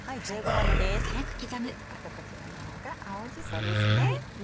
であとこちらの方が青じそですね。